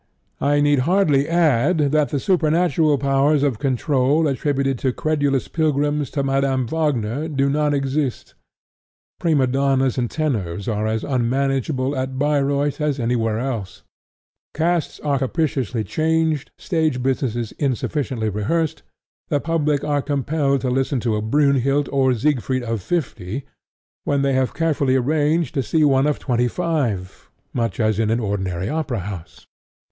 I need hardly add that the supernatural powers of control attributed by credulous pilgrims to Madame Wagner do not exist. Prima donnas and tenors are as unmanageable at Bayreuth as anywhere else. Casts are capriciously changed; stage business is insufficiently rehearsed; the public are compelled to listen to a Brynhild or Siegfried of fifty when they have carefully arranged to see one of twenty five, much as in any ordinary opera house.